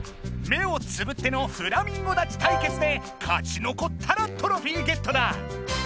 目をつぶっての「フラミンゴ立ち対決」で勝ちのこったらトロフィーゲットだ！